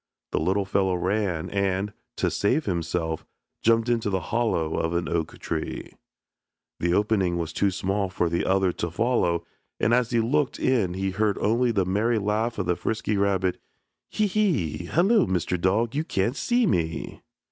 The little fellow ran and, to save himself, jumped into the hollow of an oak tree. The opening was too small for the other to follow and as he looked in he heard only the merry laugh of the frisky rabbit, "Hee, hee! hello, Mr. Dog, you can't see me."